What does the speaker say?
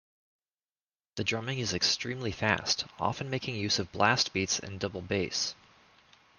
The drumming is extremely fast, often making use of blast beats and double bass.